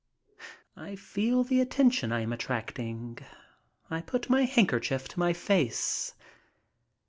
I feel the attention I am attracting. I put my handker chief to my face.